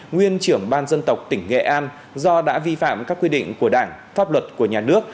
nguyên trưởng ban dân tộc tỉnh nghệ an do đã vi phạm các quy định của đảng pháp luật của nhà nước